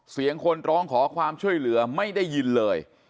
เสียงคนร้องขอความช่วยเหลือไม่ได้ยินเลย